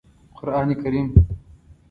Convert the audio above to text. قرآن کریم